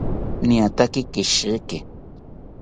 Niataki keshiki